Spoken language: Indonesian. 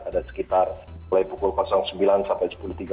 ada sekitar mulai pukul sembilan sampai sepuluh tiga puluh